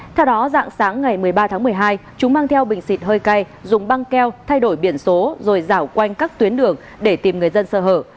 theo đó dạng sáng ngày một mươi ba tháng một mươi hai chúng mang theo bình xịt hơi cay dùng băng keo thay đổi biển số rồi dạo quanh các tuyến đường để tìm người dân sơ hở